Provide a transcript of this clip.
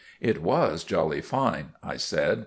"It was jolly fine," I said.